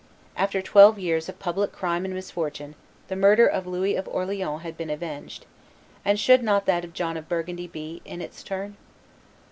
After twelve years of public crime and misfortune the murder of Louis of Orleans had been avenged; and should not that of John of Burgundy be, in its turn?